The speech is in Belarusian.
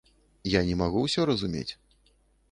Я не магу ўсё разумець.